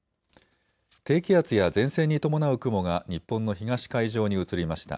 低気圧や前線に伴う雲が日本の東海上に移りました。